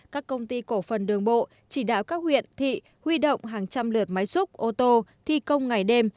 các công ty cổ phần đường bộ chỉ đạo các huyện thị huy động hàng trăm lượt máy xúc ô tô thi công ngày đêm